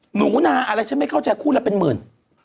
หนูนาอะไรฉันไม่เข้าใจคู่ละเป็นหมื่น